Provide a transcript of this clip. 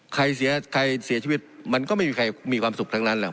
ใครเสียใครเสียชีวิตมันก็ไม่มีใครมีความสุขทั้งนั้นหรอก